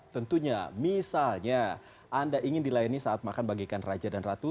tentunya misalnya anda ingin dilayani saat makan bagikan raja dan ratu